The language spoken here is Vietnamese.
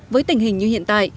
với tình hình như hiện tại